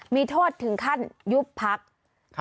มีโทษถึงขั้นยุบพัก